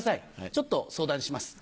ちょっと相談します。